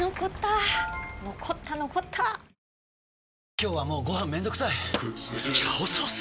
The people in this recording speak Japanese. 今日はもうご飯めんどくさい「炒ソース」！？